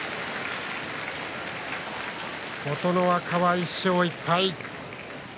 琴ノ若は１勝１敗。